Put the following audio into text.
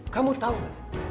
kamu tau gak